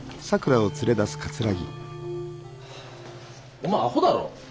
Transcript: お前アホだろ。